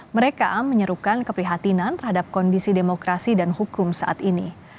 mereka menyerukan keprihatinan terhadap kondisi demokrasi dan hukum saat ini